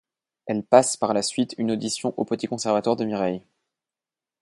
Elle passe par la suite une audition au petit conservatoire de Mireille.